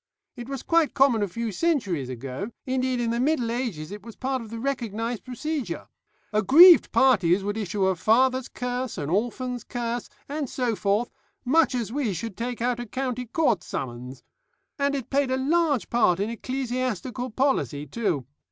It was quite common a few centuries ago; indeed, in the Middle Ages it was part of the recognised procedure. Aggrieved parties would issue a father's curse, an orphan's curse, and so forth, much as we should take out a county court summons. And it played a large part in ecclesiastical policy too.